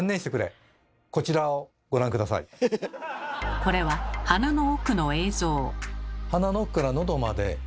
これは鼻の奥の映像。